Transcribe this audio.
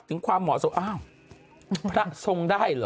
ความเหมาะสมอ้าวพระทรงได้เหรอ